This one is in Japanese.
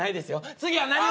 次は何を。